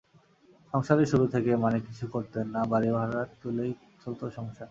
সংসারের শুরু থেকেই মানিক কিছু করতেন না, বাড়ির ভাড়া তুলেই চলতো সংসার।